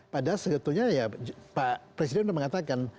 padahal sebetulnya ya pak presiden sudah mengatakan